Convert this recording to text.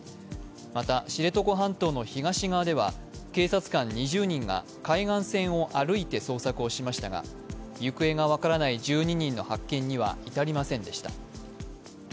また、知床半島の東側では警察官２０人が海岸線を歩いて捜索をしましたが行方が分からない１２人の発見には至りませんでした。